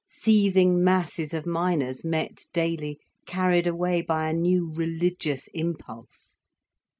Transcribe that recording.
Seething masses of miners met daily, carried away by a new religious impulse.